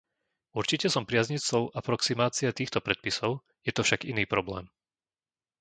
Určite som priaznivcom aproximácie týchto predpisov, je to však iný problém.